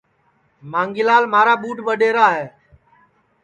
مانگھی لال مھارا ٻُڈؔ ٻڈؔئرا ہے